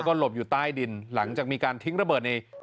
ใช่เพราะว่าเราเบือนไปเนี่ย